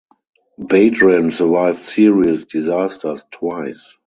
Badran survived serious disasters twice.